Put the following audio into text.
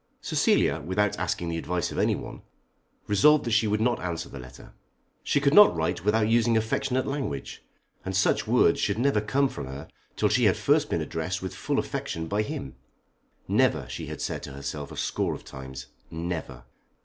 Cecilia, without asking the advice of anyone, resolved that she would not answer the letter. She could not write without using affectionate language, and such words should never come from her till she had first been addressed with full affection by him. "Never," she had said to herself a score of times; "never!"